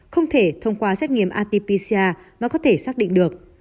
không thể thông qua xét nghiệm rt pcr mà có thể xác định được